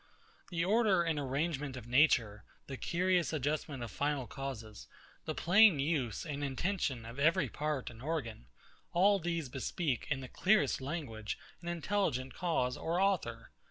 The order and arrangement of nature, the curious adjustment of final causes, the plain use and intention of every part and organ; all these bespeak in the clearest language an intelligent cause or author.